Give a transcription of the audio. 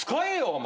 お前。